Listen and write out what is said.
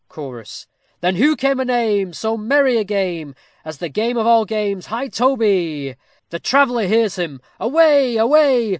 CHORUS Then who can name So merry a game, As the game of all games high toby? The traveller hears him, away! away!